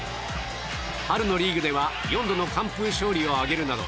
春のリーグでは４度の完封勝利を挙げるなど